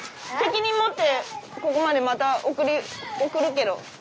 責任持ってここまでまた送るけど。